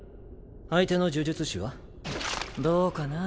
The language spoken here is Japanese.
相手の呪術師は？どうかな？